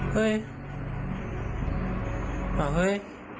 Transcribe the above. เฮ้ยอ่าเฮ้ย